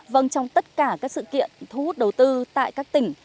vâng trong tất cả các sự kiện thu hút đầu tư tại các tỉnh